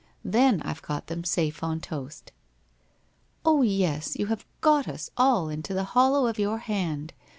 Then I've got them safe on toast.' ' Oh, yes, you have got us all into the hollow of your hand.